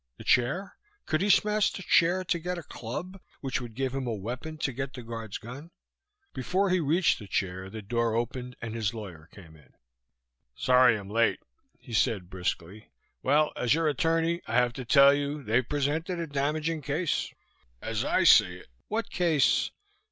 The chair? Could he smash the chair to get a club, which would give him a weapon to get the guard's gun?... Before he reached the chair the door opened and his lawyer came in. "Sorry I'm late," he said briskly. "Well. As your attorney I have to tell you they've presented a damaging case. As I see it " "What case?"